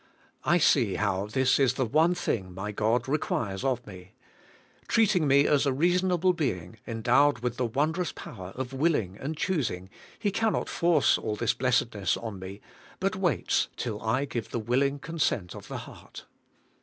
I see how this is the one thing my God requires of me. Treating me as a reasonable being endowed with the wondrous power of willing and choosing, He cannot force all this blessedness on me, but waits till I give the willing consent of the heart.